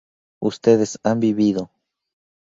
ustedes han vivido